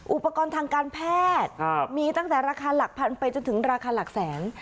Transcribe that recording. อุปกรณ์ทางการแพทย์มีตั้งแต่ราคาหลักพันไปจนถึงราคาหลักแสน